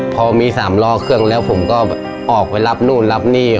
พอมี๓ล้อเครื่องแล้วผมก็ออกไปรับนู่นรับนี่